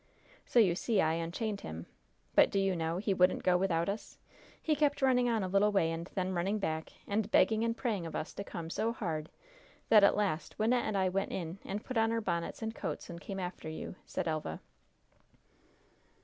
"So, you see, I unchained him. But, do you know, he wouldn't go without us? He kept running on a little way and then running back and begging and praying of us to come so hard that at last Wynnette and I went in and put our bonnets and coats and came after you," said Elva.